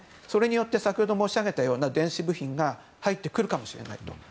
それによって先ほど申し上げたような電子部品が入ってくるかもしれないと。